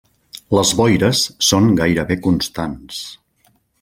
Les boires són gairebé constants.